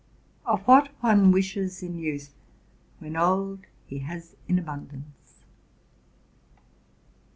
OF WHAT ONE WISHES IN YOUTH, WHEN OLD HE HAS IN ABUNDANCE.